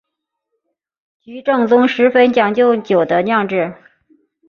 菊正宗十分讲究酒的酿制。